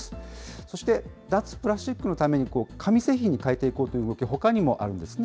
そして脱プラスチックのために、紙製品に替えていこうという動き、ほかにもあるんですね。